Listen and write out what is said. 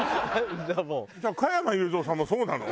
加山雄三さんもそうなの？